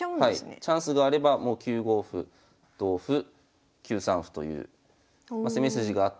チャンスがあればもう９五歩同歩９三歩という攻め筋があって。